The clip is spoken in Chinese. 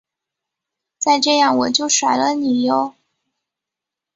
再这样我就甩了你唷！